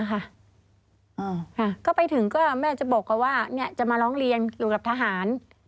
ค่ะก็ไปถึงก็แม่จะบอกว่าจะมาร้องเรียนอยู่กับทหาร